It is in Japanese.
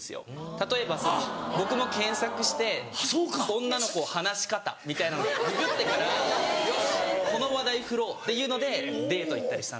例えば僕も検索して「女の子話し方」みたいなのググってからよしこの話題ふろうっていうのでデート行ったりしたんです。